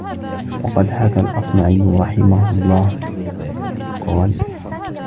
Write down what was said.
وَقَدْ حَكَى الْأَصْمَعِيُّ رَحِمَهُ اللَّهُ قَالَ